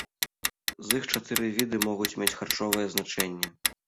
З іх чатыры віды могуць мець харчовае значэнне.